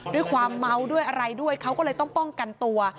ด้วยความเมาด้วยอะไรด้วยเขาก็เลยต้องป้องกันตัว